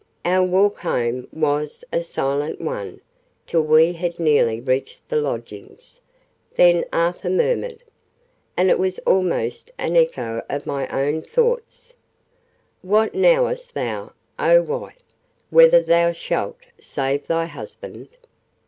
Our walk home was a silent one, till we had nearly reached the lodgings: then Arthur murmured and it was almost an echo of my own thoughts "What knowest thou, O wife, whether thou shalt save thy husband?"